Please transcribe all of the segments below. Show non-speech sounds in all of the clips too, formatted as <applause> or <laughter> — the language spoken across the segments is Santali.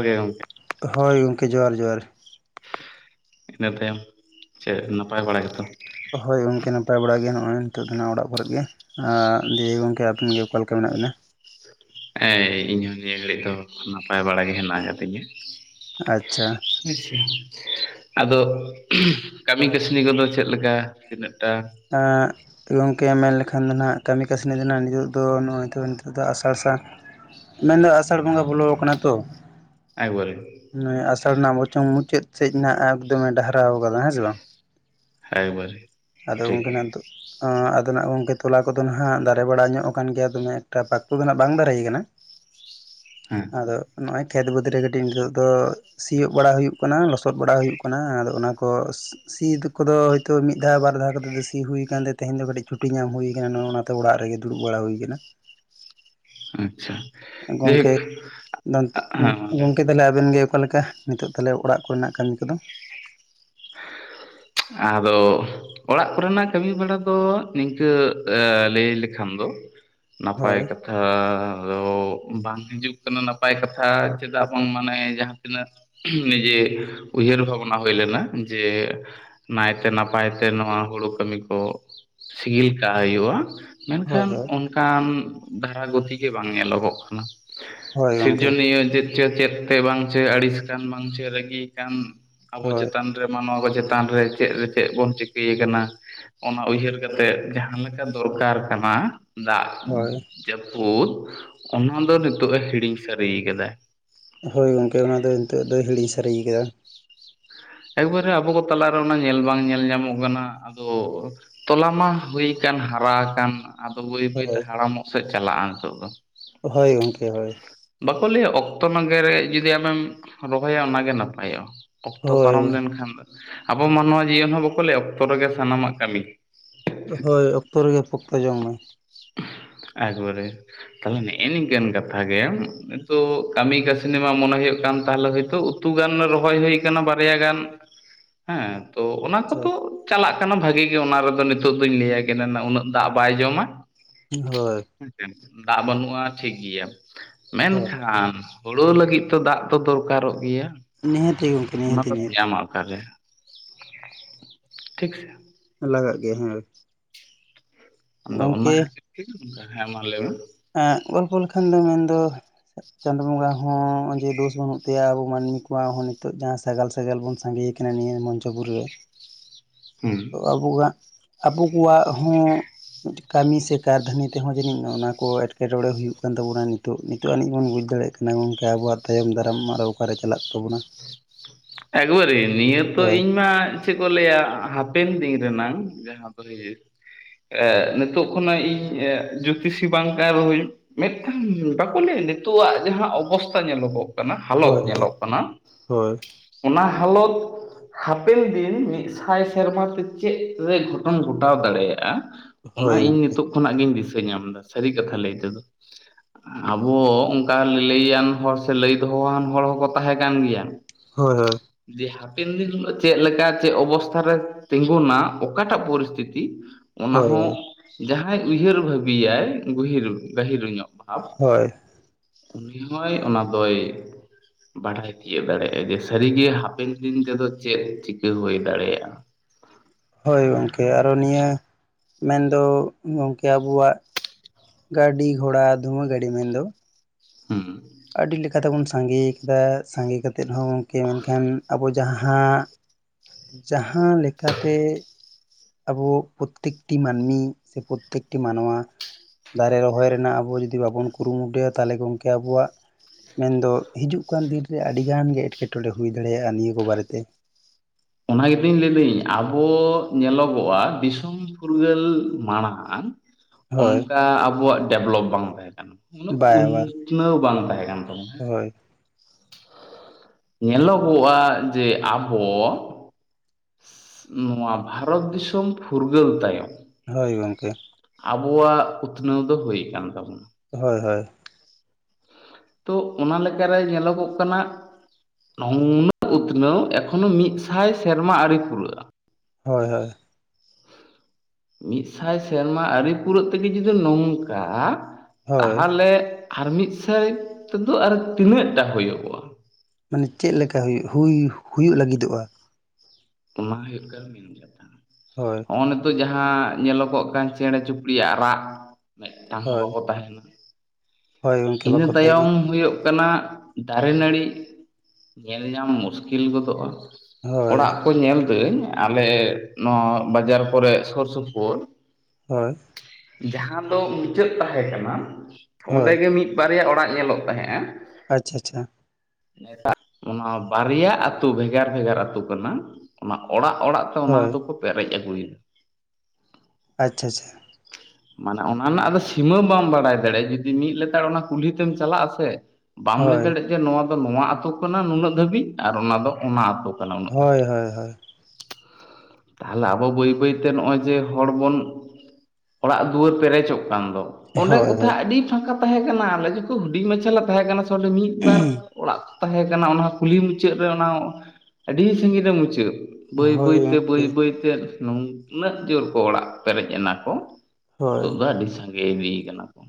ᱚᱭᱮ ᱜᱚᱝᱠᱮ ᱦᱳᱭ ᱜᱚᱝᱠᱮ ᱡᱚᱦᱟᱨ, ᱡᱚᱦᱟᱨ ᱤᱱᱟᱹ ᱛᱟᱭᱚᱢ ᱪᱮᱫ ᱱᱟᱯᱟᱭ ᱵᱟᱲᱟ ᱜᱮᱛᱚ? ᱦᱳᱭ ᱜᱚᱝᱠᱮ ᱱᱟᱯᱟᱭ ᱵᱟᱲᱟ ᱜᱮ, ᱱᱚᱜ-ᱚᱭ ᱱᱤᱛᱚᱜ ᱫᱚ ᱱᱟᱜ ᱚᱲᱟᱜ ᱠᱚᱨᱮ ᱜᱮ, ᱟᱸ ᱫᱤᱭᱮ ᱜᱚᱝᱠᱮ ᱟᱹᱵᱤᱱ ᱜᱮ ᱚᱠᱟ ᱞᱮᱠᱟ ᱢᱮᱱᱟᱜ ᱵᱤᱱᱟ? ᱦᱮᱸ ᱤᱧ ᱦᱚᱸ ᱱᱤᱭᱟᱹ ᱜᱷᱟᱹᱲᱤᱡ ᱫᱚ ᱱᱟᱯᱟᱭ ᱵᱟᱲᱟ ᱜᱮ ᱦᱮᱱᱟᱜ ᱟᱠᱟᱫᱤᱧᱟ᱾ ᱟᱪᱪᱷᱟ ᱟᱪᱪᱷᱟ ᱟᱫᱚ ᱠᱟᱹᱢᱤ ᱠᱟᱹᱥᱱᱤ ᱠᱚᱫᱚ ᱪᱮᱫ ᱞᱮᱠᱟ, ᱛᱤᱱᱟᱹᱜᱴᱟ? ᱮᱸᱜ ᱛᱚ ᱜᱚᱢᱠᱮ ᱢᱮᱱ ᱞᱮᱠᱷᱟᱱ ᱫᱚ ᱱᱟᱦᱟᱸᱜ ᱠᱟᱹᱢᱤ ᱠᱟᱹᱥᱱᱤ ᱫᱚ ᱱᱟᱸᱜ ᱱᱤᱛᱚᱜ ᱫᱚ ᱱᱚᱜᱼᱚᱭ ᱛᱚ ᱱᱤᱛᱚᱜ ᱫᱚ ᱟᱥᱟᱲ ᱥᱟᱱ ᱢᱮᱱᱫᱚ ᱟᱥᱟᱲ ᱵᱚᱸᱜᱟ ᱵᱚᱞᱚᱣ ᱠᱟᱱᱟ ᱛᱚ᱾ ᱟᱭᱵᱟᱨᱮ <unintelligible> ᱱᱩᱭ ᱟᱥᱟᱲ ᱨᱮᱱᱟᱜ ᱵᱚᱪᱷᱚᱝ ᱢᱩᱪᱟᱹᱫ ᱥᱮᱫ ᱱᱟᱜᱷ ᱮᱠᱫᱚᱢᱮ ᱰᱟᱦᱟᱨᱟᱣ ᱠᱟᱫᱟ ᱦᱮᱸ ᱥᱮ ᱵᱟᱝ? ᱦᱭ ᱵᱟᱨᱮ᱾ ᱟᱫᱚ ᱜᱚᱢᱠᱮᱱᱟᱜ ᱱᱤᱛᱚᱜ ᱚᱸ ᱟᱫᱚ ᱱᱟᱜ ᱜᱚᱢᱠᱮ ᱛᱚᱞᱟ ᱠᱚᱫᱚ ᱱᱟᱦᱟᱸᱜ ᱫᱟᱨᱮ ᱵᱟᱲᱟ ᱧᱚᱜ ᱟᱠᱟᱱ ᱜᱮᱭᱟ ᱫᱚᱢᱮ ᱮᱠᱴᱟ ᱯᱟᱹᱛᱩ ᱫᱚ ᱱᱟᱜ ᱵᱟᱝ ᱫᱟᱨᱮᱭ ᱠᱟᱱᱟ᱾ ᱦᱮᱸ ᱟᱫᱚ ᱱᱚᱸᱜᱼᱚᱭ ᱠᱷᱮᱛ ᱵᱟᱹᱫᱽ ᱨᱮ ᱠᱟᱹᱴᱤᱡ ᱱᱤᱛᱚᱜ ᱫᱚ ᱥᱤᱭᱳᱜ ᱵᱟᱲᱟ ᱦᱩᱭᱩᱜ ᱠᱟᱱᱟ ᱞᱚᱥᱚᱫ ᱵᱟᱲᱟ ᱦᱩᱭᱩᱜ ᱠᱟᱱᱟ ᱟᱫᱚ ᱚᱱᱟᱠᱚ ᱥᱤ ᱫᱟ ᱠᱚᱫᱚ ᱦᱳᱭᱛᱳ ᱢᱤᱜ ᱢᱤᱫ ᱫᱷᱟᱣ ᱵᱟᱨ ᱫᱷᱟᱣ ᱠᱟᱛᱮ ᱫᱚ ᱥᱤ ᱦᱩᱭ ᱠᱟᱱᱛᱮ ᱛᱮᱦᱮᱧ ᱫᱚ ᱠᱟᱹᱴᱤᱡ ᱪᱷᱩᱴᱤ ᱧᱟᱢ ᱦᱩᱭ ᱠᱟᱱᱟ ᱱᱚᱜᱼᱚ, ᱚᱱᱟ ᱛᱮ ᱚᱲᱟᱜ ᱨᱮᱜᱮ ᱫᱩᱲᱩᱵ ᱵᱟᱲᱟ ᱦᱩᱭ ᱠᱟᱱᱟ᱾ ᱟᱪᱪᱷᱟ ᱜᱚᱢᱠᱮ ᱡᱟᱭᱦᱳᱠ ᱫᱚᱱᱛᱮ ᱦᱮᱸ ᱢᱟ ᱞᱟᱹᱭ ᱜᱚᱢᱠᱮ ᱛᱟᱦᱚᱞᱮ ᱟᱵᱮᱱ ᱜᱮ ᱚᱠᱟ ᱞᱮᱠᱟ, ᱱᱤᱛᱚᱜ ᱛᱟᱦᱚᱞᱮ ᱚᱲᱟᱜ ᱠᱚᱨᱮᱱᱟᱜ ᱠᱟᱹᱢᱤ ᱠᱚᱫᱚ? ᱟᱫᱚ ᱚᱲᱟᱜ ᱠᱚᱨᱮᱱᱟᱜ ᱠᱟᱹᱢᱤ ᱵᱟᱲᱟ ᱫᱚ ᱱᱤᱝᱠᱟᱹ ᱮᱸ ᱞᱟᱹᱭ ᱞᱮᱠᱷᱟᱱ ᱫᱚ ᱱᱟᱯᱟᱭ ᱦᱳᱭ ᱠᱟᱛᱷᱟᱻ ᱫᱚᱻ ᱵᱟᱝ ᱦᱤᱡᱩᱜ ᱠᱟᱱᱟ ᱱᱟᱯᱟᱭ ᱠᱟᱛᱷᱟ ᱪᱮᱫᱟᱜ ᱵᱟᱝ ᱢᱟᱱᱮ ᱡᱟᱦᱟᱸ ᱛᱤᱱᱟᱹᱜ ᱱᱤᱡᱮ ᱩᱭᱦᱟᱹᱨ ᱵᱷᱟᱵᱽᱱᱟ ᱦᱩᱭ ᱞᱮᱱᱟ, ᱡᱮ ᱱᱟᱭ ᱛᱮ ᱱᱟᱯᱟᱭ ᱛᱮ ᱱᱚᱣᱟ ᱦᱩᱲᱩ ᱠᱟᱹᱢᱤ ᱠᱚ ᱥᱤᱜᱤᱞ ᱠᱟᱜ ᱦᱩᱭᱩᱜᱼᱟ᱾ ᱦᱳᱭ ᱢᱮᱱᱠᱷᱟᱱ ᱦᱳᱭ ᱚᱱᱠᱟᱱ ᱫᱷᱟᱨᱟ ᱜᱚᱛᱤ ᱜᱮ ᱵᱟᱝ ᱧᱮᱞᱚᱜᱚᱜ ᱠᱟᱱᱟ᱾ ᱦᱳᱭ ᱜᱚᱝᱠᱮ ᱥᱤᱨᱡᱚᱱᱤᱭᱟᱹ ᱪᱮᱫ ᱪᱚ ᱪᱮᱫᱛᱮ ᱵᱟᱝ ᱪᱚᱭ ᱟᱹᱲᱤᱥ ᱠᱟᱱ ᱵᱟᱝ ᱪᱚᱭ ᱨᱟᱹᱜᱤᱭ ᱠᱟᱱ᱾ ᱟᱵᱚ ᱦᱳᱭ ᱪᱮᱛᱟᱱ ᱨᱮ ᱢᱟᱱᱣᱟ ᱠᱚ ᱪᱮᱛᱟᱱ ᱨᱮ ᱪᱮᱫ ᱨᱮ ᱪᱮᱫ ᱵᱚᱱ ᱪᱤᱠᱟᱹᱭᱮ ᱠᱟᱱᱟ᱾ ᱚᱱᱟ ᱩᱭᱦᱟᱹᱨ ᱠᱟᱛᱮᱜ ᱡᱟᱸᱦᱟ ᱞᱮᱠᱟ ᱫᱚᱨᱠᱟᱨ ᱠᱟᱱᱟ᱾ ᱫᱟᱜ ᱦᱳᱭ ᱡᱟᱹᱯᱩᱫ ᱚᱱᱟ ᱫᱚ ᱱᱤᱛᱚᱜ-ᱮ ᱦᱤᱲᱤᱧ ᱥᱟᱹᱨᱤᱭ ᱠᱟᱫᱟᱭ᱾ ᱦᱳᱭ ᱜᱚᱢᱠᱮ ᱚᱱᱟ ᱫᱚᱭ ᱱᱤᱛᱚᱜ ᱫᱚᱭ ᱦᱤᱞᱤᱧ ᱥᱟᱹᱨᱤᱭ ᱠᱟᱫᱟ᱾ ᱮᱠᱵᱟᱨᱮ ᱟᱵᱚ ᱠᱚ ᱛᱟᱞᱟᱨᱮ ᱚᱱᱟ ᱧᱮᱞ ᱵᱟᱝ ᱧᱮᱞ ᱧᱟᱢᱚᱜ ᱠᱟᱱᱟ, ᱟᱫᱚ ᱛᱚᱞᱟ ᱢᱟ ᱦᱩᱭ ᱟᱠᱟᱱ ᱦᱟᱨᱟ ᱟᱠᱟᱱ ᱟᱫᱚ ᱵᱟᱹᱭ ᱵᱟᱹᱭ ᱛᱮ ᱦᱳᱭ ᱦᱟᱲᱟᱢᱚᱜ ᱥᱮᱫ ᱪᱟᱞᱟᱜ-ᱟ ᱱᱤᱛᱚᱜ ᱫᱚ᱾ ᱦᱳᱭ ᱜᱚᱢᱠᱮ ᱦᱳᱭ᱾ ᱵᱟᱠᱚ ᱞᱟᱹᱭᱟ ᱚᱠᱛᱚ ᱱᱟᱜᱮ ᱨᱮ ᱡᱩᱫᱤ ᱟᱢᱮᱢ ᱨᱚᱦᱚᱭᱟ ᱚᱱᱟ ᱜᱮ ᱱᱟᱯᱟᱭᱚᱜᱼᱟ᱾ ᱚᱠᱛᱚ ᱦᱳᱭ ᱯᱟᱨᱚᱢ ᱞᱮᱱᱠᱷᱟᱱ, ᱟᱵᱚ ᱢᱟᱱᱣᱟ ᱡᱤᱭᱚᱱ ᱦᱚᱸ ᱵᱟᱠᱚ ᱞᱟᱹᱭᱟ ᱚᱠᱛᱚ ᱨᱮᱜᱮ ᱥᱟᱱᱟᱢᱟᱜ ᱠᱟᱹᱢᱤ᱾ ᱦᱳᱭ ᱚᱠᱛᱚ ᱨᱮᱜᱮ ᱯᱚᱠᱛᱚ ᱡᱚᱝ ᱢᱮ᱾ ᱮᱠᱵᱟᱨᱮ ᱛᱟᱦᱚᱞᱮ ᱱᱮᱜᱼᱮ ᱱᱤᱝᱠᱟᱹᱱ ᱠᱟᱛᱷᱟ ᱜᱮ, ᱱᱤᱛᱚᱜ ᱠᱟᱹᱢᱤ ᱠᱟᱹᱥᱱᱤ ᱢᱟ ᱢᱚᱱᱮ ᱦᱩᱭᱩᱜ ᱠᱟᱱ ᱛᱟᱦᱚᱞᱮ ᱦᱚᱭᱛᱳ ᱩᱛᱩ ᱜᱟᱱ ᱨᱚᱦᱚᱭ ᱦᱩᱭ ᱠᱟᱱᱟ ᱵᱟᱨᱭᱟ ᱜᱟᱱ᱾ ᱦᱮᱸ ᱛᱚ ᱚᱱᱟ ᱠᱚᱛᱚ ᱪᱟᱞᱟᱜ ᱠᱟᱱᱟ ᱵᱷᱟᱹᱜᱤ ᱜᱮ ᱚᱱᱟ ᱨᱮᱫᱚ ᱱᱤᱛᱚᱜ ᱫᱚᱧ ᱞᱟᱹᱭᱟᱭ ᱠᱟᱱᱟ ᱩᱱᱟᱹᱜ ᱫᱟᱜ ᱵᱟᱭ ᱡᱚᱢᱟ᱾ ᱦᱳᱭ ᱦᱮᱸᱥᱮ, ᱫᱟᱜ ᱵᱟᱹᱱᱩᱜᱼᱟ ᱴᱷᱤᱠ ᱜᱮᱭᱟ᱾ ᱦᱳᱭ ᱢᱮᱱᱠᱷᱟᱱ ᱦᱩᱲᱩ ᱞᱟᱹᱜᱤᱫ ᱛᱚ ᱫᱟᱜ ᱛᱚ ᱫᱚᱨᱠᱟᱨᱚᱜ ᱜᱮᱭᱟ᱾ ᱱᱤᱦᱟᱹᱛᱤ ᱜᱚᱢᱠᱮ ᱚᱱᱟ ᱱᱤᱦᱟᱹᱛᱤ ᱫᱚᱢ ᱱᱤᱦᱟᱹᱛᱤ ᱧᱟᱢᱟ ᱚᱠᱟᱨᱮ, ᱴᱷᱤᱠ ᱥᱮ? ᱞᱟᱜᱟᱜ ᱜᱮᱭᱟ ᱦᱮᱸ᱾ ᱟᱫᱚ ᱚᱱᱟ ᱠᱷᱟᱹᱛᱤᱨ ᱚᱝᱠᱟ ᱦᱮᱸ ᱢᱟ ᱞᱟᱹᱭ ᱢᱮ᱾ ᱦᱮᱸ ᱜᱚᱞᱯᱷᱚ ᱞᱮᱠᱷᱟᱱ ᱫᱚ ᱢᱮᱱ ᱫᱚ᱾ ᱪᱟᱸᱫᱚ ᱵᱚᱸᱜᱟ ᱦᱚᱸ ᱡᱮ ᱫᱳᱥ ᱵᱟᱹᱱᱩᱜ ᱛᱟᱭᱟ ᱟᱵᱚ ᱢᱟᱹᱱᱢᱤ ᱠᱚᱣᱟᱜ ᱦᱚᱸ ᱱᱤᱛᱳᱜ ᱡᱟᱦᱟ ᱥᱟᱜᱟᱞ, ᱥᱟᱜᱟᱞ ᱵᱚᱱ ᱥᱟᱸᱜᱮ ᱠᱟᱱᱟ ᱱᱤᱭᱟᱹ ᱢᱚᱸᱧᱪᱚ ᱯᱩᱨᱤ ᱨᱮ᱾ ᱦᱩᱸ᱾ ᱟᱵᱩ ᱠᱟᱜ ᱟᱵᱚ ᱠᱚᱣᱟᱜ ᱦᱚᱸ ᱢᱤᱫ ᱠᱟᱹᱢᱤ ᱥᱮ ᱠᱟᱨᱫᱷᱟᱹᱱᱤ ᱛᱮᱦᱚᱸ ᱡᱟᱹᱱᱤᱡ ᱱᱚᱜ-ᱚᱱᱟ ᱠᱚ ᱮᱴᱠᱮᱴᱚᱸᱬᱮ ᱦᱩᱭᱩᱜ ᱠᱟᱱ ᱛᱟᱵᱚᱱᱟ᱾ ᱱᱤᱛᱳᱜ, ᱱᱤᱛᱳᱜ ᱟᱹᱱᱤᱡ ᱵᱚᱱ ᱵᱩᱡ ᱫᱟᱲᱮᱜ ᱠᱟᱱᱟ ᱜᱚᱝᱠᱮ ᱟᱵᱚᱣᱟᱜ ᱛᱟᱭᱚᱢ ᱫᱟᱨᱟᱢ ᱟᱨᱚ ᱚᱠᱟ ᱨᱮ ᱪᱟᱞᱟᱜ ᱛᱟᱵᱚᱱᱟ᱾ ᱟᱹᱜᱩ ᱟᱫᱤᱧ ᱱᱤᱭᱟᱹ ᱛᱚ ᱦᱳᱭ ᱤᱧ ᱢᱟ ᱪᱮᱫ ᱠᱚ ᱞᱟᱹᱭ-ᱟ ᱦᱟᱯᱮᱱ ᱫᱤᱱ ᱨᱮᱱᱟᱝ ᱡᱟᱦᱟ ᱫᱚ ᱦᱩᱭᱩᱜ ᱮᱜ ᱱᱤᱛᱳᱜ ᱠᱷᱚᱱᱟᱜ ᱤᱧ ᱮᱜ ᱡᱳᱛᱤᱥᱤ ᱵᱟᱝ ᱠᱟᱱ ᱨᱮ ᱦᱚᱸᱧ ᱢᱤᱫᱴᱟᱝ ᱵᱟᱠᱚ ᱞᱟᱹᱭ-ᱟ ᱱᱤᱛᱳᱜ ᱟᱜ ᱡᱟᱦᱟ ᱚᱵᱚᱥᱛᱷᱟ ᱧᱮᱞᱚ ᱜᱚᱜ ᱠᱟᱱᱟ ᱦᱟᱞᱚᱛ ᱦᱳᱭ ᱧᱮᱞᱚᱜ ᱠᱟᱱᱟ᱾ ᱦᱳᱭ᱾ ᱚᱱᱟ ᱦᱟᱞᱚᱛ ᱦᱟᱯᱮᱱ ᱫᱤᱱ ᱢᱤᱫ ᱥᱟᱭ ᱥᱮᱨᱢᱟ ᱛᱮ ᱪᱮᱫ ᱨᱮ ᱜᱷᱚᱴᱚᱱ ᱜᱷᱚᱴᱟᱣ ᱫᱟᱲᱮᱭᱟᱜ-ᱟ᱾ ᱚᱱᱟ ᱦᱳᱭ ᱦᱳᱭ ᱤᱧ ᱜᱚᱢᱠᱮ ᱱᱤᱛᱳᱜ ᱠᱷᱚᱱᱟᱜ ᱜᱤᱧ ᱫᱤᱥᱟᱹ ᱧᱟᱢ ᱫᱟ ᱥᱟᱹᱨᱤ ᱠᱟᱛᱷᱟ ᱞᱟᱹᱭ ᱛᱮᱫᱚ᱾ ᱟᱵᱚ ᱚᱱᱠᱟ ᱞᱟᱹᱭ ᱟᱱ ᱦᱚᱲ ᱥᱮ ᱞᱟᱹᱭ ᱫᱚᱦᱚᱣᱟᱱ ᱦᱚᱲ ᱦᱚᱸ ᱠᱚ ᱛᱟᱦᱮᱸ ᱠᱟᱱ ᱜᱮᱭᱟ᱾ ᱦᱳᱭ, ᱦᱳᱭ᱾ ᱡᱮ ᱦᱟ ᱯᱮᱱ ᱫᱤᱱ ᱦᱤᱞᱳᱜ ᱪᱮᱫ ᱞᱮᱠᱟ ᱪᱮᱫ ᱚᱵᱚᱥᱛᱷᱟ ᱨᱮ ᱛᱤᱜᱩᱱᱟ ᱚᱠᱟ ᱴᱟᱜ ᱯᱚᱨᱤᱥᱛᱤᱛᱤ᱾ ᱚᱱᱟ ᱦᱚᱸ ᱦᱳᱭ ᱡᱟᱦᱟᱭ ᱩᱭᱦᱟᱹᱨ ᱵᱷᱟᱹᱵᱤᱭᱟᱭ ᱜᱩᱦᱤᱨ ᱜᱟᱹᱦᱤᱨ ᱧᱚᱜ ᱵᱷᱟᱵᱽ᱾ ᱦᱳᱭ᱾ ᱩᱱᱤ ᱦᱚᱭ ᱚᱱᱟ ᱫᱚᱭ ᱵᱟᱰᱟᱭ ᱛᱤᱭᱟᱹᱜ ᱫᱟᱲᱮᱜᱼᱟ᱾ ᱦᱮᱸ ᱜᱮ ᱥᱟᱹᱨᱤ ᱜᱮ ᱦᱟᱯᱮᱱ ᱫᱤᱱ ᱛᱮ ᱫᱚ ᱪᱮᱫ ᱪᱤᱠᱟᱹ ᱦᱳᱭ ᱫᱟᱲᱮᱜ-ᱟ᱾ ᱦᱳᱭ ᱜᱚᱝᱠᱮ ᱟᱨᱚ ᱱᱤᱭᱟᱹ ᱢᱮᱱᱫᱚ ᱜᱚᱝᱠᱮ ᱟᱵᱚᱣᱟᱜ ᱜᱟᱹᱰᱤ ᱜᱷᱚᱲᱟ ᱫᱷᱩᱶᱟᱹ ᱜᱟᱹᱰᱤ ᱢᱮᱱ ᱫᱚ᱾ ᱦᱩᱸ᱾ ᱟᱹᱰᱤ ᱞᱮᱠᱟ ᱛᱮᱵᱚᱱ ᱥᱟᱸᱜᱮᱭ ᱠᱟᱫᱟ ᱥᱟᱸᱜᱮ ᱠᱟᱛᱮᱫ ᱦᱚᱸ ᱜᱚᱝᱠᱮ ᱢᱮᱱᱠᱷᱟᱱ ᱟᱵᱚ ᱡᱟᱦᱟ ᱡᱟᱦᱟ ᱞᱮᱠᱟ ᱛᱮ ᱟᱵᱚ ᱯᱨᱚᱛᱮᱠᱴᱤ ᱢᱟᱹᱱᱢᱤ ᱥᱮ ᱯᱨᱚᱛᱮᱠᱴᱤ ᱢᱟᱱᱶᱟ᱾ ᱫᱟᱨᱮ ᱨᱚᱦᱚᱭ ᱨᱮᱱᱟᱜ ᱟᱵᱚ ᱡᱩᱫᱤ ᱵᱟᱵᱚᱱ ᱠᱩᱨᱩ ᱢᱩᱴᱩᱭᱟ ᱛᱟᱞᱦᱮ ᱜᱚᱝᱠᱮ ᱟᱵᱚᱣᱟᱜ ᱢᱮᱱᱫᱚ ᱦᱤᱡᱩᱜ ᱠᱟᱱ ᱫᱤᱱ ᱨᱮ ᱟᱹᱰᱤ ᱜᱟᱱ ᱜᱮ ᱮᱴᱠᱮᱴᱚᱸᱬᱮ ᱦᱩᱭ ᱫᱟᱲᱮᱭᱟᱜ-ᱟ ᱱᱤᱭᱟᱹ ᱠᱚ ᱵᱟᱨᱮ ᱛᱮ᱾ ᱚᱱᱟ ᱜᱤᱛᱚᱧ ᱞᱟᱹᱭ ᱫᱟᱹᱧ ᱟᱵᱚ ᱧᱮᱞᱚᱜᱚᱜ-ᱟ ᱫᱤᱥᱚᱢ ᱯᱷᱩᱨᱜᱟᱹᱞ ᱢᱟᱲᱟᱝ᱾ ᱦᱳᱭ ᱚᱱᱠᱟ ᱟᱵᱚᱣᱟᱜ ᱰᱮᱵᱷᱞᱚᱯ ᱵᱟᱝ ᱛᱟᱦᱮᱸ ᱠᱟᱱᱟ ᱩᱱᱟᱹᱜ ᱵᱟᱭ ᱵᱟᱭ ᱩᱸᱛᱱᱟᱹᱣ ᱵᱟᱝ ᱛᱟᱦᱮᱸ ᱠᱟᱱᱟ᱾ ᱦᱳᱭ ᱧᱮᱞᱚ ᱜᱚᱜ-ᱟ ᱡᱮ ᱟᱵᱚ ᱱᱚᱶᱟ ᱵᱷᱟᱨᱚᱛ ᱫᱤᱥᱚᱢ ᱯᱷᱩᱨᱜᱟᱹᱞ ᱛᱟᱭᱚᱢ᱾ ᱦᱳᱭ ᱜᱚᱝᱠᱮ᱾ ᱟᱵᱚᱣᱟᱜ ᱩᱛᱱᱟᱹᱣ ᱫᱚ ᱦᱳᱭ ᱠᱟᱱ ᱛᱟᱵᱚᱱᱟ᱾ ᱦᱳᱭ, ᱦᱳᱭ᱾ ᱛᱚ ᱚᱱᱟ ᱞᱮᱠᱟ ᱨᱮ ᱧᱮᱞᱚ ᱜᱚᱜ ᱠᱟᱱᱟ᱾ ᱱᱩᱱᱟᱹᱜ ᱩᱛᱱᱟᱹᱣ ᱮᱠᱷᱚᱱᱚ ᱢᱤᱫᱥᱟᱭ ᱥᱮᱨᱢᱟ ᱟᱨᱤ ᱯᱩᱨᱟᱹᱜ-ᱟ᱾ ᱦᱳᱭ, ᱦᱳᱭ᱾ ᱢᱤᱫᱥᱟᱭ ᱥᱮᱨᱢᱟ ᱟᱹᱣᱨᱤ ᱯᱩᱨᱟᱹᱜ ᱛᱮᱜᱮ ᱡᱩᱫᱤ ᱱᱚᱝᱠᱟ ᱦᱳᱭ ᱛᱟᱦᱞᱮ ᱟᱨ ᱢᱤᱫ ᱥᱟᱭ ᱛᱮᱫᱚ ᱟᱨ ᱛᱤᱱᱟᱹᱜ ᱴᱟ ᱦᱳᱭᱳᱜᱚᱜ-ᱟ᱾ ᱢᱟᱱᱮ ᱪᱮᱜ ᱞᱮᱠᱟ ᱦᱩᱭᱩᱜ ᱦᱩᱭ ᱦᱩᱭᱩᱜ ᱞᱟᱹᱜᱤᱫᱚᱜᱼᱟ᱾ ᱚᱱᱟ ᱦᱩᱭᱩᱜ ᱠᱟᱱ ᱢᱮᱱ ᱠᱟᱛᱷᱟ ᱦᱳᱭ <unintelligible> ᱱᱤᱛᱚᱜ ᱡᱟᱦᱟ ᱧᱮᱞᱚᱜᱚᱜ ᱠᱟᱱ ᱪᱮᱸᱬᱮ ᱪᱩᱯᱲᱤ ᱭᱟᱜ ᱨᱟᱜ ᱢᱤᱫᱴᱟᱝ ᱦᱚᱸ ᱦᱳᱭ ᱵᱟᱠᱚ ᱛᱟᱦᱮᱱᱟ ᱦᱳᱭ ᱾ ᱜᱚᱢᱠᱮ ᱤᱱᱟᱹ ᱵᱟᱠᱚ ᱛᱟᱦᱮᱱᱟ ᱛᱟᱭᱚᱢ ᱦᱚᱭᱚᱜ ᱠᱟᱱᱟ ᱫᱟᱨᱮ ᱱᱟᱹᱲᱤ ᱧᱮᱞ ᱧᱟᱢ ᱢᱩᱥᱠᱤᱞ ᱜᱚᱫᱚᱜᱼᱟ᱾ ᱦᱳᱭ ᱚᱲᱟᱜ ᱠᱚᱧ ᱧᱮᱞᱫᱟᱹᱧ ᱟᱞᱮ ᱱᱚ ᱵᱟᱡᱟᱨ ᱠᱚᱨᱮ ᱥᱚᱨ ᱥᱚᱯᱩᱨ ᱦᱚᱭ᱾ ᱡᱟᱦᱟ ᱫᱚ ᱢᱩᱪᱟᱹᱫ ᱛᱟᱦᱮ ᱠᱟᱱᱟ ᱚᱸᱰᱮ ᱦᱳᱭ ᱜᱮ ᱢᱤᱫ ᱵᱟᱨᱭᱟ ᱚᱲᱟᱜ ᱧᱮᱞᱚᱜ ᱛᱟᱦᱮᱜᱼᱟ ᱾ ᱟᱪᱷᱟ ᱟᱪᱷᱟ᱾ ᱱᱮᱴᱟᱜ ᱚᱱᱟ ᱵᱟᱨᱭᱟ ᱟᱛᱩ ᱵᱷᱮᱜᱟᱨ ᱵᱷᱮᱜᱟᱨ ᱟᱛᱩ ᱠᱟᱱᱟ᱾ ᱚᱱᱟ ᱚᱲᱟᱜ ᱚᱲᱟᱜ ᱛᱮ ᱚᱱᱟ ᱦᱳᱭ ᱦᱚᱛᱚ ᱠᱚ ᱯᱮᱨᱮᱡ ᱟᱹᱜᱩᱭᱮᱫᱟ ᱾ ᱟᱪᱷᱟ ᱟᱪᱷᱟ᱾ <inaudible> ᱢᱟᱱᱮ ᱚᱱᱟ ᱨᱮᱱᱟᱜ ᱟᱫᱚ ᱥᱤᱢᱟᱹ ᱵᱟᱢ ᱵᱟᱲᱟᱭ ᱫᱟᱲᱮᱭᱟᱜᱼᱟ ᱡᱩᱫᱤ ᱢᱤᱫ ᱞᱮᱛᱟᱲ ᱚᱱᱟ ᱠᱩᱞᱦᱤ ᱛᱮᱢ ᱪᱟᱞᱟᱜ ᱟ ᱥᱮ ᱵᱟᱢ ᱞᱮ ᱦᱳᱭ ᱫᱮᱲᱮᱜ ᱡᱮ ᱱᱚᱣᱟ ᱫᱚ ᱱᱚᱣᱟ ᱟᱹᱛᱩ ᱠᱟᱱᱟ ᱱᱩᱱᱟᱹᱜ ᱫᱷᱟᱹᱵᱤᱡ ᱟᱨ ᱚᱱᱟ ᱫᱚ ᱚᱱᱟ ᱟᱹᱛᱚ ᱦᱚᱭ ᱦᱚᱭ ᱦᱚᱭ ᱛᱟᱦᱚᱞᱮ ᱟᱵᱚ ᱵᱟᱹᱭ ᱵᱟᱹᱭᱛᱮ ᱱᱚᱜᱼᱚᱭ ᱡᱮ ᱦᱚᱲ ᱵᱚᱱ ᱚᱲᱟᱜ ᱫᱩᱣᱟᱹᱨ ᱯᱮᱨᱮᱡᱚᱜ ᱠᱟᱱ ᱫᱚ ᱚᱰᱮ ᱦᱳᱭ ᱦᱳᱭ ᱠᱩᱛᱷᱟ ᱟᱰᱤ ᱯᱷᱟᱠᱟ ᱛᱟᱦᱮ ᱠᱟᱱᱟ ᱟᱞᱮ ᱡᱚᱠᱷᱚᱡ ᱦᱩᱰᱤᱧ ᱢᱟᱪᱷᱟ ᱞᱮ ᱛᱟᱦᱮ ᱠᱟᱱᱟ ᱥᱮ ᱢᱤᱫ ᱵᱟᱨ ᱚᱲᱟᱜ᱾ ᱛᱟᱦᱮ ᱠᱟᱱᱟ ᱚᱱᱟ ᱠᱩᱞᱦᱤ ᱢᱩᱪᱟᱹᱫ ᱨᱮ ᱚᱱᱟ ᱟᱹᱰᱤ ᱥᱟᱺᱜᱤᱧ ᱨᱮ ᱢᱩᱪᱟᱹᱫ᱾ ᱵᱟᱹᱭ ᱦᱳᱭ ᱵᱟᱹᱭ ᱛᱮ ᱵᱟᱹᱭ ᱜᱚᱢᱠᱮ ᱵᱟᱹᱭ ᱛᱚ ᱱᱩᱝ ᱩᱱᱟᱹᱜ ᱡᱚᱨ ᱠᱚ ᱚᱲᱟᱜ ᱯᱮᱨᱮᱡ ᱮᱱᱟ ᱠᱚ ᱦᱳᱭ ᱱᱤᱛᱚᱜ ᱫᱚ ᱟᱹᱰᱤ ᱥᱟᱺᱜᱤᱧ᱾ ᱜᱮ ᱤᱫᱤ ᱠᱟᱱᱟ ᱠᱚ᱾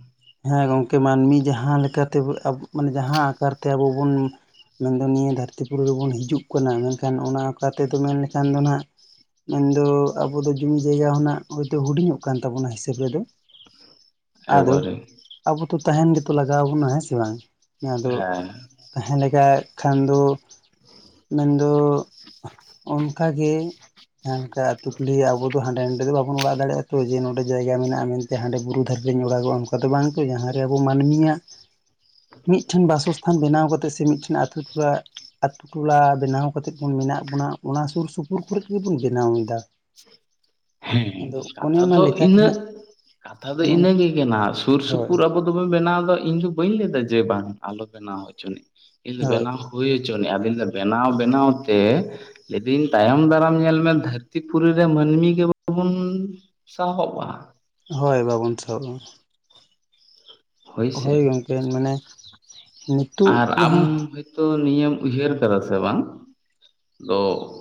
ᱦᱮ ᱜᱚᱝᱠᱮ ᱢᱟᱱᱢᱤ ᱡᱟᱦᱟ ᱞᱮᱠᱟᱛᱮ ᱢᱟᱱᱮ ᱡᱟᱦᱟ ᱟᱠᱟᱨ ᱛᱮ ᱟᱵᱚ ᱵᱚᱱ ᱢᱮᱱ ᱫᱚ ᱱᱤᱭᱟᱹ ᱫᱷᱟᱹᱨᱛᱤ ᱯᱩᱨᱤ ᱨᱮᱵᱚᱱ ᱦᱤᱡᱩᱜ ᱠᱟᱱᱟ ᱢᱮᱱᱠᱷᱟᱱ ᱚᱱᱟ ᱚᱠᱟᱨ ᱛᱮᱫᱚ ᱢᱮᱱ ᱞᱮᱠᱷᱟᱱ ᱫᱚ ᱱᱟᱜ ᱢᱮᱱ ᱫᱚ ᱟᱵᱚ ᱫᱚ ᱡᱩᱢᱤ ᱡᱟᱭᱜᱟ ᱦᱚᱱᱟᱜ ᱦᱚᱭᱛᱚ ᱦᱩᱰᱤᱧᱚᱜ ᱠᱟᱱ ᱛᱟᱵᱚᱱᱟ ᱦᱤᱥᱟᱹᱵ ᱨᱮᱫᱚ᱾ <inaudible> ᱟᱫᱚ ᱟᱵᱚ ᱛᱚ ᱛᱟᱦᱮᱱ ᱜᱮᱛᱚ ᱞᱟᱜᱟᱣ ᱵᱚᱱᱟ ᱾ ᱦᱮ ᱥᱮ ᱵᱟᱝ? ᱡᱟᱦᱟ ᱫᱚ ᱦᱮᱸ ᱛᱟᱦᱮᱸ ᱞᱮᱠᱟ ᱠᱷᱟᱱ ᱫᱚ ᱢᱮᱱ ᱫᱚ ᱚᱱᱠᱟ ᱜᱮ ᱦᱟᱱᱠᱟ ᱟᱹᱛᱩ ᱠᱩᱞᱤ ᱟᱵᱚ ᱫᱚ ᱦᱟᱰᱮ ᱱᱟᱰᱮ ᱫᱚ ᱵᱟᱵᱚᱱ ᱚᱲᱟᱜ ᱫᱟᱲᱮᱭᱟᱜᱼᱟ᱾ ᱛᱚ ᱡᱮ ᱱᱚᱰᱮ ᱡᱟᱭᱜᱟ ᱢᱮᱱᱟᱜᱼᱟ ᱢᱮᱱᱛᱮ ᱦᱟᱰᱮ ᱵᱩᱨᱩ ᱫᱷᱟᱨᱮ ᱨᱮᱧ ᱚᱲᱟᱜᱚᱜᱼᱟ ᱟᱫᱚ ᱵᱟᱝ ᱛᱚ ᱡᱟᱦᱟ ᱨᱮ ᱟᱵᱚ ᱢᱟᱱᱢᱤ ᱭᱟᱜ ᱢᱤᱫ ᱴᱷᱮᱱ ᱵᱟᱥᱚᱥ ᱛᱷᱟᱱ ᱵᱮᱱᱟᱣ ᱠᱟᱛᱮ ᱥᱮ ᱢᱤᱫᱴᱷᱮᱱ ᱟᱛᱩ ᱴᱚᱞᱟ ᱟᱛᱩ ᱴᱚᱞᱟ ᱵᱮᱱᱟᱣ ᱠᱟᱛᱮ ᱵᱚᱱ ᱢᱮᱱᱟᱜ ᱵᱚᱱᱟ᱾ ᱚᱱᱟ ᱥᱩᱨ ᱥᱩᱯᱩᱨ ᱠᱚᱨᱮ ᱜᱮᱵᱚᱱ ᱵᱮᱱᱟᱣ ᱮᱫᱟ᱾ ᱦᱮ ᱟᱫᱚ ᱚᱱᱮ ᱠᱟᱛᱷᱟ ᱚᱱᱟ ᱫᱚ ᱞᱮᱠᱟᱛᱮ ᱤᱱᱟᱹᱜ᱾ ᱱᱟᱜ ᱠᱟᱛᱷᱟ ᱫᱚ ᱤᱱᱟᱹ ᱜᱮ᱾ <unintelligible> ᱥᱩᱨ ᱦᱳᱭ ᱥᱩᱯᱩᱨ ᱟᱵᱚ ᱫᱚᱵᱚᱱ ᱵᱮᱱᱟᱣ ᱫᱚ ᱤᱧ ᱫᱚ ᱵᱟᱹᱧ ᱞᱟᱹᱭᱫᱟ ᱡᱮ ᱵᱟᱝ ᱟᱞᱚ ᱵᱮᱱᱟᱣ ᱦᱚᱪᱚᱣ ᱱᱤᱡ᱾ ᱤᱧ ᱫᱚ ᱦᱳᱭ ᱵᱮᱱᱟᱣ ᱦᱩᱭ ᱦᱚᱭ ᱪᱚᱱᱤᱡ ᱟᱵᱤᱱ ᱫᱚ ᱵᱮᱱᱟᱣ ᱵᱮᱱᱟᱣ ᱛᱮ᱾ ᱞᱮᱭᱫᱤᱧ ᱛᱟᱭᱚᱢ ᱫᱟᱨᱟᱢ ᱧᱮᱞ ᱢᱮ ᱫᱷᱟᱹᱨᱛᱤ ᱯᱩᱨᱤ ᱨᱮ ᱢᱟᱹᱱᱢᱤ ᱜᱮ ᱵᱚᱱ ᱥᱟᱦᱚᱵᱼᱟ᱾ ᱦᱚᱭ ᱵᱟᱵᱚᱱ ᱥᱟᱦᱚᱵᱼᱟ᱾ ᱦᱳᱭᱥᱮ ᱦᱚᱭ ᱜᱚᱝᱠᱮ ᱢᱟᱱᱮ ᱱᱤᱛᱚᱜ ᱡᱟᱦᱟ ᱛᱚ ᱱᱤᱭᱟᱹᱢ ᱩᱭᱦᱟᱹᱨ ᱟᱠᱟ ᱫᱟ ᱥᱮ ᱵᱟᱝ᱾ ᱫᱚ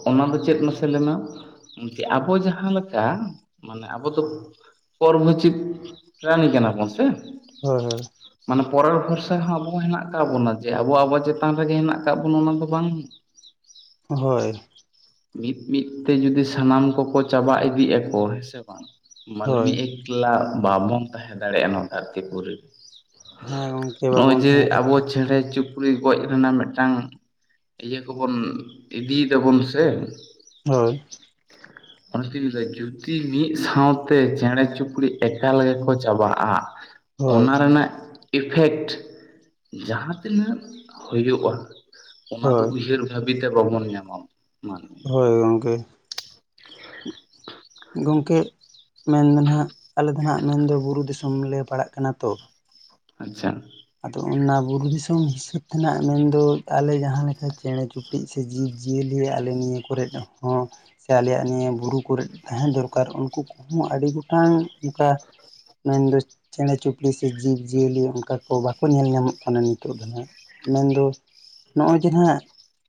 ᱚᱱᱟ ᱫᱚ ᱪᱮᱫ ᱢᱟᱥᱮ ᱞᱮᱢᱮ ᱟᱵᱚ ᱡᱟᱦᱟ ᱞᱮᱠᱟ ᱢᱟᱱᱮ ᱟᱵᱚ ᱫᱚ ᱯᱚᱨᱵᱤᱪᱤᱠ ᱯᱨᱟᱱᱤ ᱠᱟᱱᱟ ᱵᱚᱱ ᱥᱮ᱾ ᱦᱳᱭ ᱦᱳᱭ ᱾ ᱢᱟᱱᱮ ᱯᱚᱨᱮᱨ ᱵᱷᱚᱨᱥᱟ ᱦᱚᱸ ᱟᱵᱚ ᱦᱮᱸᱱᱟᱜ ᱟᱠᱟᱫ ᱵᱚᱱᱟ, ᱡᱮ ᱟᱵᱚ ᱟᱵᱚᱣᱟᱜ ᱪᱮᱛᱟᱱ ᱨᱮᱜᱮ ᱦᱮᱸᱱᱟᱜ ᱟᱠᱟᱫ ᱵᱚᱱᱟ ᱚᱱᱟ ᱫᱚ ᱵᱟᱝ ᱾ ᱦᱳᱭ ᱾ ᱢᱤᱫ ᱢᱤᱫ ᱛᱮ ᱡᱩᱫᱤ ᱥᱟᱱᱟᱢ ᱠᱚ ᱠᱚ ᱪᱟᱵᱟ ᱤᱫᱤᱜ ᱟᱠᱚ, ᱦᱮᱸ ᱥᱮ ᱵᱟᱝ? ᱦᱳᱭ ᱦᱳᱭ ᱢᱟᱹᱱᱢᱤ ᱮᱠᱞᱟ ᱵᱟᱵᱚᱱ ᱛᱟᱦᱮᱸ ᱫᱟᱲᱮᱭᱟᱜ-ᱟ ᱱᱚᱣᱟ ᱫᱷᱟᱹᱨᱛᱤ ᱯᱩᱨᱤ ᱨᱮ ᱾ ᱦᱮᱸ ᱜᱚᱢᱠᱮ ᱱᱚᱜ-ᱚᱭ ᱵᱟᱵᱚᱱ ᱡᱮ ᱛᱟᱦᱮᱸ ᱟᱵᱚ ᱫᱟᱲᱮᱭᱟᱜᱼᱟ ᱪᱮᱸᱬᱮ ᱪᱩᱯ ᱥᱩᱠᱨᱤ ᱜᱚᱡ ᱨᱮᱱᱟᱜ ᱢᱤᱫᱴᱟᱝ ᱤᱭᱟᱹ ᱠᱚᱵᱚᱱ ᱤᱫᱤᱭ ᱫᱟᱵᱚᱱ ᱥᱮ, ᱦᱳᱭ᱾ <inaudible> ᱚᱱᱟᱛᱤᱧ ᱞᱟᱹᱭ ᱫᱟ ᱡᱩᱫᱤ ᱢᱤᱫ ᱥᱟᱶᱛᱮ ᱪᱮᱬᱮ ᱪᱩᱯᱲᱤ ᱮᱠᱟᱞ ᱜᱮ ᱠᱚ ᱪᱟᱵᱟᱜ-ᱟ᱾ ᱦᱳᱭ ᱚᱱᱟ ᱨᱮᱱᱟᱜ ᱤᱯᱷᱮᱠᱴ ᱡᱟᱦᱟᱸ ᱛᱤᱱᱟᱹᱜ ᱦᱩᱭᱩᱜ-ᱟ ᱾ ᱚᱱᱟ ᱫᱚ ᱦᱳᱭ ᱩᱭᱦᱟᱹᱨ ᱵᱷᱟᱹᱵᱤᱛᱮ ᱵᱟᱵᱚᱱ ᱧᱟᱢᱟ ᱢᱟᱱᱮ ᱾ ᱦᱳᱭ ᱜᱚᱝᱠᱮ᱾ ᱜᱚᱝᱠᱮ ᱢᱮᱱ ᱫᱚ ᱱᱟᱦᱟ ᱟᱞᱮ ᱫᱚ ᱱᱟᱦᱟ ᱢᱮᱱᱫᱚ ᱵᱩᱨᱩ ᱫᱤᱥᱚᱢ ᱞᱮ ᱯᱟᱲᱟᱜ ᱠᱟᱱᱟ ᱛᱚ ᱾ ᱟᱪᱪᱷᱟ, ᱟᱫᱚ ᱚᱱᱟ ᱵᱩᱨᱩ ᱫᱤᱥᱚᱢ ᱥᱮᱫ ᱛᱮᱱᱟᱜ ᱢᱮᱱᱫᱚ ᱟᱞᱮ ᱡᱟᱦᱟᱸ ᱞᱮᱠᱟ ᱪᱮᱬᱮ ᱪᱩᱯ ᱲᱤᱡ ᱥᱮ ᱡᱤᱵᱽ ᱡᱤᱭᱟᱹᱞᱤ ᱟᱞᱮ ᱱᱤᱭᱟᱹ ᱠᱚᱨᱮᱫ ᱦᱚᱸ, ᱥᱮ ᱟᱞᱮᱭᱟᱜ ᱱᱤᱭᱟᱹ ᱵᱩᱨᱩ ᱠᱚᱮᱨᱜ ᱛᱟᱦᱮᱸ ᱫᱚᱨᱠᱟᱨ ᱩᱱᱠᱩ ᱠᱚᱦᱚᱸ ᱟᱹᱰᱤ ᱜᱚᱴᱟᱝ ᱚᱱᱠᱟ ᱢᱮᱱᱫᱚ ᱪᱮᱬᱮ ᱪᱩᱯᱲᱤ ᱥᱮ ᱡᱤᱵᱽ ᱡᱤᱭᱟᱹᱞᱤ ᱚᱱᱠᱟ, ᱠᱚ ᱵᱟᱠᱚ ᱧᱮᱞ ᱧᱟᱢᱚᱜ ᱠᱟᱱᱟ ᱱᱤᱛᱚᱜ ᱫᱚ ᱦᱟᱸᱜ, ᱢᱮᱱᱫᱚ ᱱᱚᱜ-ᱚᱭ ᱡᱮ ᱱᱟᱦᱟᱜ,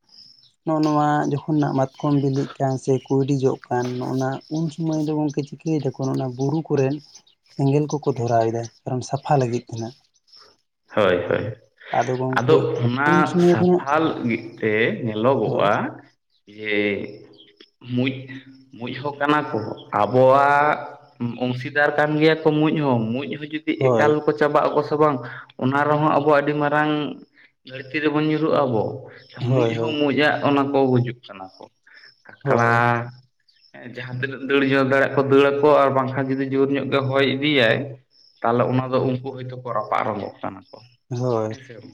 <inaudible> ᱱᱚᱜ-ᱚ ᱱᱚᱣᱟ ᱡᱚᱠᱷᱚᱱ ᱱᱟ ᱢᱟᱛᱠᱚᱢ ᱵᱤᱞᱤᱜ ᱠᱟᱱ ᱥᱮ ᱠᱩᱭᱰᱤ ᱡᱚ ᱠᱟᱱ ᱱᱚᱜ-ᱱᱟ ᱩᱱ ᱥᱩᱢᱟᱹᱭ ᱫᱚ ᱜᱚᱝᱠᱮ ᱪᱤᱠᱟᱹᱭ ᱫᱟᱠᱚ ᱚᱱᱟ ᱵᱩᱨᱩ ᱠᱚᱨᱮᱱ ᱥᱮᱸᱜᱮᱸᱞ ᱠᱚᱠᱚ ᱫᱷᱚᱨᱟᱣ ᱫᱟ ᱠᱟᱨᱚᱱ ᱥᱟᱯᱷᱟ ᱞᱟᱹᱜᱤᱫ ᱛᱮᱱᱟ ᱾ ᱦᱳᱭ ᱦᱳᱭ᱾ ᱟᱫᱚ ᱩᱱ ᱚᱱᱟ ᱥᱚᱢᱚᱭ ᱫᱚ ᱱᱟᱜ ᱥᱟᱯᱷᱟ ᱞᱟᱹᱜᱤᱫ ᱛᱮ ᱧᱮᱞᱚ ᱦᱳᱭ ᱜᱚᱜ-ᱟ, ᱡᱮ ᱢᱩᱡ ᱢᱩᱡᱽ ᱦᱚᱸ ᱠᱟᱱᱟ ᱠᱚ ᱟᱵᱚᱣᱟᱜ ᱚᱝᱥᱤᱫᱟᱨ ᱠᱟᱱ ᱜᱮᱭᱟ ᱠᱚ ᱢᱩᱸᱡ ᱦᱚᱸ, ᱢᱩᱸᱡᱽ ᱦᱚᱸ ᱡᱩᱫᱤ ᱦᱳᱭ ᱮᱠᱟᱞ ᱠᱚ ᱪᱟᱵᱟᱜ ᱟᱠᱚ ᱥᱮ ᱵᱟᱝ᱾ ᱚᱱᱟ ᱨᱮᱦᱚᱸ ᱟᱵᱚ ᱟᱹᱰᱤ ᱢᱟᱨᱟᱝ ᱜᱷᱟᱹᱲᱛᱤ ᱨᱮᱵᱚᱱ ᱧᱩᱨᱦᱩᱜ ᱟᱵᱚ ᱢᱩᱡᱽ ᱦᱳᱭ ᱦᱳᱭ ᱦᱚᱸ ᱢᱩᱡ-ᱟ ᱚᱱᱟ ᱠᱚ ᱜᱩᱡᱩᱜ ᱠᱟᱱᱟ ᱠᱚ ᱛᱟᱪᱷᱟᱲᱟᱻ ᱦᱳᱭ ᱡᱟᱦᱟᱸ ᱛᱤᱱᱟᱹᱜ ᱫᱟᱹᱲ ᱧᱚᱜ ᱫᱟᱲᱮᱭᱟᱜ ᱠᱚ ᱫᱟᱹᱲᱟ ᱠᱚ ᱟᱨ ᱵᱟᱝᱠᱷᱟᱱ ᱡᱩᱫᱤ ᱡᱳᱨ ᱧᱚᱜ ᱜᱮ ᱦᱚᱭ ᱤᱫᱤᱭᱟᱭ᱾ ᱛᱟᱦᱚᱸᱞᱮ ᱚᱱᱟ ᱫᱚ ᱩᱱᱠᱩ ᱦᱚᱭᱛᱳ ᱠᱚ ᱨᱟᱯᱟᱜ ᱨᱝᱜᱚᱜ ᱠᱟᱱᱟ ᱠᱚ ᱦᱳᱭ ᱦᱮᱸ ᱥᱮ ᱵᱟᱝ?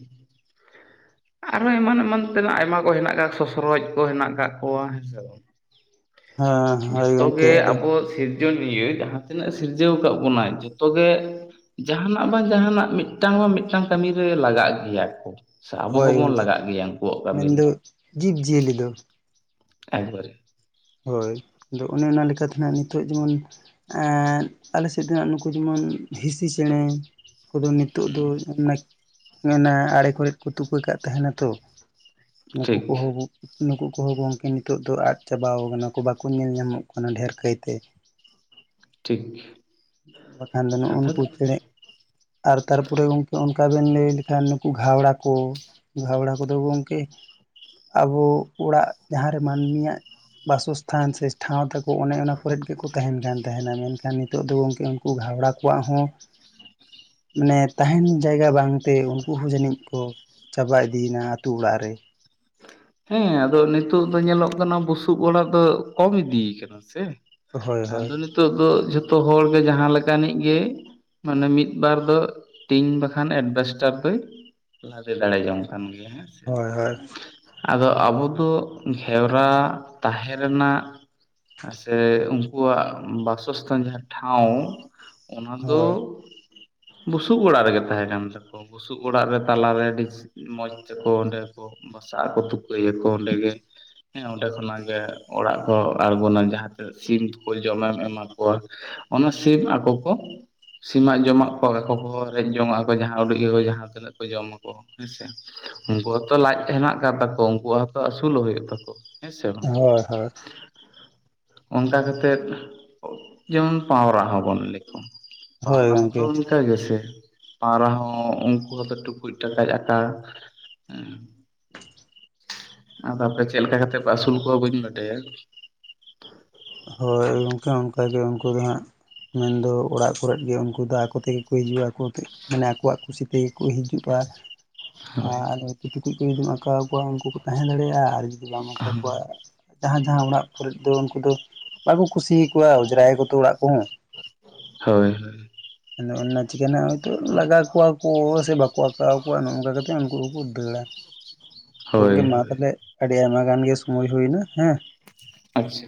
<inaudible> ᱟᱨ ᱦᱚᱸ ᱮᱢᱟᱱ ᱮᱢᱟᱱ ᱛᱮᱱᱟᱜ ᱟᱭᱢᱟ ᱠᱚ ᱦᱮᱱᱟᱜ ᱥᱚᱥᱚᱨᱚᱡ ᱠᱚ ᱦᱮᱸᱱᱟᱜ ᱠᱟᱜ ᱠᱚᱣᱟ ᱦᱮᱸ ᱥᱮ ᱵᱟᱝ᱾ ᱦᱮᱸ ᱦᱳᱭ ᱡᱷᱚᱛᱚ ᱜᱚᱝᱠᱮ ᱜᱮ ᱟᱫᱚ ᱟᱵᱚ ᱥᱤᱨᱡ ᱥᱤᱨᱡᱚᱱᱤᱭᱟᱹ ᱡᱟᱦᱟᱸ ᱛᱤᱱᱟᱹᱜ ᱥᱤᱨᱡᱟᱹᱣ ᱟᱠᱟᱫ ᱵᱚᱱᱟᱭ ᱡᱚᱛᱚ ᱜᱮ ᱡᱟᱦᱟᱱᱟᱜ ᱵᱟᱝ ᱡᱟᱦᱟᱱᱟᱜ ᱢᱤᱫ ᱢᱤᱫᱴᱟᱝ ᱵᱟᱝ ᱢᱤᱫᱴᱟᱝ ᱠᱟᱹᱢᱤ ᱨᱮ ᱞᱟᱜᱟᱜ ᱜᱮᱭᱟ ᱠᱚ ᱾ ᱥᱮ ᱟᱵᱚ ᱦᱳᱭ ᱦᱚᱸᱵᱚᱱ ᱜᱚᱝᱠᱮ ᱞᱟᱜᱟᱜ ᱜᱮᱭᱟ ᱩᱱᱠᱩᱣᱟᱜ ᱠᱟᱹᱢᱤ ᱨᱮ ᱢᱮᱱᱫᱚ ᱡᱤᱵᱽᱼᱡᱤᱭᱟᱹᱞᱤ ᱫᱚ ᱮᱠᱵᱟᱨ ᱾ ᱦᱳᱭ ᱟᱫᱚ ᱚᱱᱮ ᱚᱱᱟ ᱞᱮᱠᱟᱛᱮ ᱦᱟᱸᱜ ᱱᱤᱛᱚᱜ ᱡᱮᱢᱚᱱ ᱮᱸ ᱟᱞᱮ ᱥᱮᱫ ᱫᱚ ᱦᱟᱸᱜ ᱱᱩᱠᱩ ᱡᱮᱢᱚᱱ ᱦᱤᱥᱤ ᱪᱮᱬᱮ᱾ ᱠᱚ ᱫᱚ ᱱᱤᱛᱳᱜ ᱫᱚ <unintelligible> ᱦᱟᱱᱮ ᱦᱟᱱᱟ ᱟᱲᱮ ᱠᱚᱨᱮᱫ ᱠᱚ ᱛᱩᱠᱟᱹ ᱠᱟᱜ ᱛᱟᱦᱮᱸᱱᱟ ᱛᱚ ᱱᱩᱠᱩ ᱴᱷᱤᱠ ᱠᱚᱦᱚᱸ ᱵᱚ ᱱᱩᱠᱩ ᱠᱚᱦᱚᱸ ᱜᱚᱝᱠᱮ ᱱᱤᱛᱚᱜ ᱫᱚ ᱟᱫᱽ ᱪᱟᱵᱟᱣ ᱠᱟᱱᱟ ᱠᱚ ᱵᱟᱝᱠᱚ ᱧᱮᱞ ᱧᱟᱢᱚᱜ ᱠᱟᱱᱟ ᱰᱷᱮᱨ ᱠᱟᱹᱭᱛᱮ ᱾ ᱴᱷᱤᱠ᱾ ᱵᱟᱠᱷᱟᱱ ᱫᱚ ᱱᱩᱜ-ᱩ ᱱᱩᱠᱩ ᱪᱮᱬᱮ ᱟᱨ ᱛᱟᱨᱯᱚᱨᱮ ᱜᱚᱝᱠᱮ ᱚᱱᱠᱟ ᱵᱮᱱ ᱞᱟᱹᱭ ᱞᱮᱠᱷᱟᱱ ᱱᱩᱠᱩ ᱜᱷᱮᱣᱲᱟ ᱠᱚ᱾ ᱜᱷᱟᱵᱟᱲᱟᱣ ᱠᱚᱫᱚ ᱜᱚᱝᱠᱮ, ᱟᱵᱚ ᱚᱲᱟᱜ ᱡᱟᱦᱟᱸᱨᱮ ᱢᱟᱹᱱᱢᱤᱭᱟᱜ ᱵᱟᱥᱚᱥᱛᱷᱟᱱ ᱥᱮ ᱴᱷᱟᱶ ᱛᱟᱠᱚ ᱚᱱᱮ ᱚᱱᱟ ᱠᱚᱨᱮᱜ ᱜᱮᱠᱚ ᱛᱟᱦᱮᱱ ᱠᱟᱱ ᱛᱟᱦᱮᱱᱟ ᱢᱮᱱᱠᱷᱟᱱ ᱱᱤᱛ ᱛᱚᱜ ᱫᱚ ᱜᱚᱝᱠᱮ ᱩᱱᱠᱩ ᱜᱷᱟᱣᱲᱟ ᱠᱚᱣᱟᱜ ᱦᱚᱸ ᱢᱟᱱᱮ ᱛᱟᱦᱮᱱ ᱡᱟᱭᱜᱟ ᱵᱟᱝᱛᱮ ᱩᱱᱠᱩ ᱦᱚᱸ ᱡᱟᱹᱱᱤᱡ ᱠᱚ ᱪᱟᱵᱟ ᱤᱫᱤᱭᱱᱟ ᱟᱹᱛᱩ ᱚᱲᱟᱜ ᱨᱮ ᱾ ᱦᱮᱸ ᱟᱫᱚ ᱱᱤᱛᱚᱜ ᱫᱚ ᱧᱮᱞᱚᱜ ᱠᱟᱱᱟ ᱵᱩᱥᱩᱵ ᱚᱲᱟᱜ ᱫᱚ ᱠᱚᱢ ᱤᱫᱤ ᱠᱟᱱᱟ ᱥᱮ ᱦᱳᱭ ᱾ ᱦᱳᱭ ᱟᱫᱚ ᱱᱤᱛᱚᱜ ᱫᱚ ᱡᱷᱚᱛᱚ ᱦᱚᱲᱜᱮ ᱡᱟᱦᱟᱸ ᱞᱮᱠᱟᱱᱤᱡ ᱜᱮ ᱢᱟᱱᱮ ᱢᱤᱫᱵᱟᱨ ᱫᱚ ᱴᱤᱱ ᱵᱟᱠᱷᱟᱱ ᱮᱰᱵᱮᱥᱴᱟᱨ ᱫᱚᱭ ᱞᱟᱫᱮ ᱫᱟᱲᱮ ᱡᱚᱝ ᱠᱟᱱ ᱜᱮᱭᱟ ᱦᱮᱸ᱾ ᱥᱮ ᱦᱳᱭ ᱦᱳᱭ᱾ ᱟᱫᱚ ᱟᱵᱚ ᱫᱚ ᱜᱷᱮᱣᱨᱟ ᱛᱟᱦᱮᱸ ᱨᱮᱱᱟᱜ ᱥᱮ ᱩᱱᱠᱩᱣᱟᱜ ᱵᱟᱥᱚᱥᱛᱷᱟᱱ ᱡᱟᱦᱟᱸ ᱴᱷᱟᱶ ᱚᱱᱟ ᱫᱚ ᱵᱩᱥᱩᱵ ᱚᱲᱟᱜ ᱨᱮᱜᱮ ᱛᱟᱦᱮᱸ ᱠᱟᱱ ᱛᱟᱠᱚᱣᱟ ᱾ ᱵᱩᱥᱩᱵ ᱚᱲᱟᱜ ᱨᱮ ᱛᱟᱞᱟᱨᱮ ᱟᱹᱰᱤ ᱢᱚᱸᱡᱽ ᱛᱮᱠᱚ ᱚᱸᱰᱮ ᱠᱚ ᱵᱟᱥᱟᱜ ᱟᱠᱚ ᱛᱩᱠᱟᱹᱭᱟᱠᱚ ᱚᱸᱰᱮ ᱜᱮ ᱾ ᱦᱮᱸ ᱚᱸᱰᱮ ᱠᱷᱚᱱᱟᱜ ᱜᱮ ᱚᱲᱟᱜ ᱠᱚ ᱟᱬᱜᱚᱱᱟ ᱡᱟᱦᱟᱸ ᱛᱮ ᱥᱤᱢ ᱠᱚ ᱡᱚᱢᱮᱢ ᱮᱢᱟ ᱠᱚᱣᱟ ᱾ ᱚᱱᱟ ᱥᱤᱢ ᱟᱠᱚ ᱠᱚ ᱥᱤᱢᱟᱜ ᱡᱚᱢᱟᱜ ᱠᱚ ᱟᱠᱚ ᱠᱚ ᱨᱮᱡ ᱡᱚᱝᱟᱜ ᱟᱠᱚ ᱡᱟᱦᱟᱸ ᱩᱰᱟᱹᱜ ᱜᱮᱠᱚ ᱡᱟᱦᱟᱸ ᱛᱤᱱᱟᱹᱜ ᱠᱚ ᱡᱚᱢᱟ ᱠᱚ ᱦᱮᱸᱥᱮ᱾ ᱩᱝᱠᱩ ᱦᱚᱸᱛᱚ ᱞᱟᱡ ᱦᱮᱱᱟᱜ ᱟᱠᱟᱫ ᱛᱟᱠᱚᱣᱟ ᱩᱱᱠᱩᱣᱟᱜ ᱦᱚᱸᱛᱚ ᱟᱹᱥᱩᱞᱚᱜ ᱦᱩᱭᱩᱜ ᱛᱟᱠᱚ ᱾ ᱦᱮᱸ ᱥᱮ ᱵᱟᱝ? ᱦᱳᱭ ᱦᱳᱭ ᱦᱳᱭ ᱚᱱᱠᱟ ᱠᱟᱛᱮᱫ ᱡᱮᱢᱚᱱ ᱯᱟᱣᱨᱟ ᱦᱚᱸᱵᱚᱱ ᱞᱟᱹᱭ ᱠᱚᱣᱟ, ᱦᱳᱭ ᱯᱟᱣᱨᱟ ᱦᱚᱸᱛᱚ ᱜᱚᱝᱠᱮ ᱦᱮᱸ ᱡᱮᱭᱥᱮ ᱯᱟᱣᱨᱟ ᱦᱚᱸ ᱩᱱᱠᱩ ᱦᱚᱸᱛᱚ ᱴᱩᱠᱩᱡ ᱴᱟᱠᱟᱡ ᱟᱠᱟ ᱟᱫᱚ ᱟᱯᱮ ᱪᱮᱜ ᱞᱮᱠᱟ ᱠᱟᱛᱮᱜ ᱯᱮ ᱟᱹᱥᱩᱞ ᱠᱚᱣᱟ ᱵᱟᱹᱧ ᱵᱟᱰᱟᱭᱟ᱾ ᱦᱳᱭ ᱜᱚᱝᱠᱮ ᱚᱱᱠᱟᱜᱮ ᱩᱱᱠᱩ ᱫᱚ ᱦᱟᱸᱜ᱾ ᱢᱮᱱᱫᱚ ᱚᱲᱟᱜ ᱠᱚᱨᱮᱫ ᱜᱮ ᱩᱱᱠᱩ ᱫᱚ ᱟᱠᱚ ᱛᱮᱜᱮ ᱠᱚ ᱦᱤᱡᱩᱜᱼᱟ ᱟᱠᱚ ᱛᱮ ᱢᱟᱱᱮ ᱟᱠᱚᱣᱟᱜ ᱠᱩᱥᱤ ᱛᱮᱜᱮ ᱠᱚ ᱦᱤᱡᱩᱜᱼᱟ ᱾ ᱦᱳᱭ ᱟᱨ ᱪᱮ ᱴᱩᱠᱩᱡ ᱠᱚ ᱡᱩᱫᱤᱢ ᱟᱠᱟᱣ ᱠᱚᱣᱟ ᱩᱱᱠᱩ ᱠᱚ ᱛᱟᱦᱮᱸ ᱫᱟᱲᱮᱭᱟᱜᱼᱟ ᱟᱨ ᱡᱩᱫᱤ ᱵᱟᱢ ᱟᱠᱟᱣ ᱠᱚᱣᱟ ᱡᱟᱦᱟᱸ ᱡᱟᱦᱟᱸ ᱚᱲᱟᱜ ᱠᱚᱨᱮᱫ ᱫᱚ ᱩᱱᱠᱩ ᱫᱚ ᱵᱟᱠᱚ ᱠᱩᱥᱤᱭᱟᱠᱚᱣᱟ ᱚᱡᱽᱨᱟᱭᱟᱠᱚ ᱛᱚ ᱚᱲᱟᱜ ᱠᱚᱦᱚᱸ ᱾ ᱦᱳᱭ ᱦᱳᱭ᱾ ᱟᱫᱚ ᱚᱱᱟ ᱪᱤᱠᱟᱹᱱᱟ ᱦᱚᱭᱛᱳ ᱞᱟᱜᱟ ᱠᱚᱣᱟ ᱠᱚ ᱥᱮ ᱵᱟᱠᱚ ᱟᱠᱟᱣᱟᱠᱚᱣᱟ ᱱᱚᱜ ᱚᱝᱠᱟ ᱠᱟᱛᱮᱜ ᱩᱱᱠᱩ ᱠᱚᱠᱚ ᱫᱟᱹᱲᱟ ᱾ <inaudible> ᱜᱚᱝᱠᱮ ᱢᱟ ᱦᱳᱭ ᱛᱟᱦᱚᱞᱮ, ᱟᱹᱰᱤ ᱟᱭᱢᱟ ᱜᱟᱱ ᱜᱮ ᱥᱚᱢᱚᱭ ᱦᱳᱭᱱᱟ ᱦᱮᱸ ᱾ ᱟᱪᱪᱷᱟ᱾